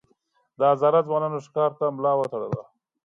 د هزاره ځوانانو ښکار ته ملا وتړله.